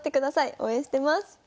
応援してます。